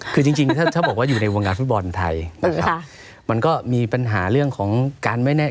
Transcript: คือจริงถ้าบอกว่าอยู่ในวงการฟุตบอลไทยนะครับมันก็มีปัญหาเรื่องของการไม่แน่